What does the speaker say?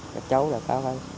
các cháu là có